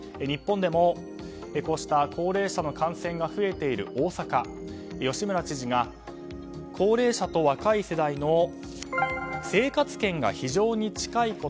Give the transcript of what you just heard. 日本でも高齢者の感染が増えている大阪、吉村知事が高齢者と若い世代の生活圏が非常に近い。